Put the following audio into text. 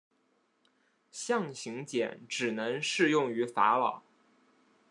象形茧只能适用于法老。